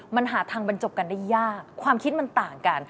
มันหาทางบรรจบกันได้ยากความคิดมันต่างกัน